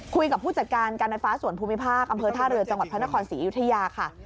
ผู้จัดการการไฟฟ้าส่วนภูมิภาคอำเภอท่าเรือจังหวัดพระนครศรีอยุธยาค่ะ